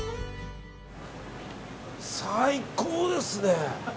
最高ですね。